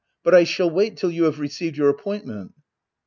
But I shall wait till you have received your appointment.